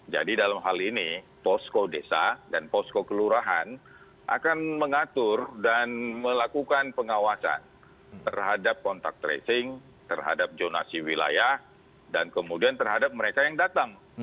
jadi dalam hal ini posko desa dan posko kelurahan akan mengatur dan melakukan pengawasan terhadap kontak tracing terhadap jonasi wilayah dan kemudian terhadap mereka yang datang